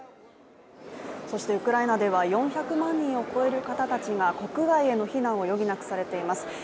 そしてウクライナでは４００万人を超える方たちが国外への避難を余儀なくされています。